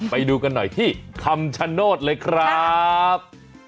ไปดูกันหน่อยที่คำชโนธเลยครับ